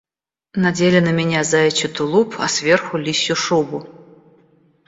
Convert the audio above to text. Надели на меня заячий тулуп, а сверху лисью шубу.